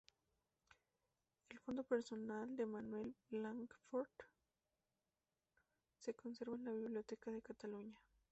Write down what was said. El fondo personal de Manuel Blancafort se conserva en la Biblioteca de Cataluña.